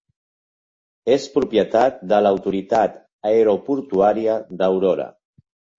És propietat de l'Autoritat Aeroportuària d'Aurora.